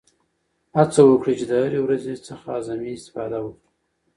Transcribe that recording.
هڅه وکړئ چې د هرې ورځې څخه اعظمي استفاده وکړئ.